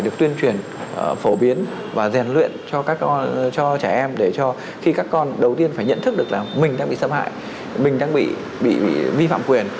được tuyên truyền phổ biến và rèn luyện cho các con cho trẻ em để cho khi các con đầu tiên phải nhận thức được là mình đang bị xâm hại mình đang bị vi phạm quyền